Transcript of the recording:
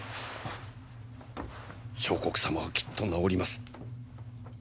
相国様はきっと治ります。